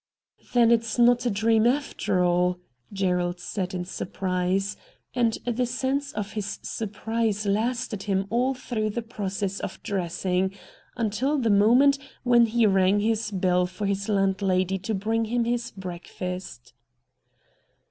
' Then it's not a dream, after all,' Gerald said in surprise ; and the sense of his surprise lasted him all through the process of dressing, until the moment when he rang his bell for his landlady to bring him his breakfast.